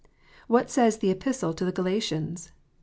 What says the Epistle to the Galatians